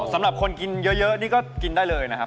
สำหรับคนกินเยอะนี่ก็กินได้เลยนะครับ